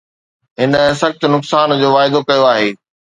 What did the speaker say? هن سخت نقصان جو واعدو ڪيو آهي